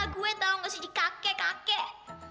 gue tau gak sih kakek kakek